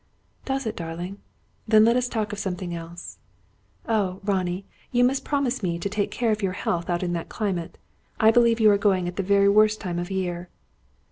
"Does it, darling? Then let us talk of something else. Oh, Ronnie, you must promise me to take care of your health out in that climate! I believe you are going at the very worst time of year."